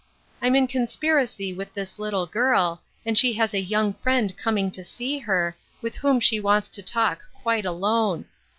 I'm in conspiracy with this little girl, and she has a young friend coming to see her, with whom she wants to talk quite alone.